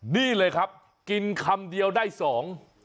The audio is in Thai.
นี่เลยครับกินคำเดียวได้สอง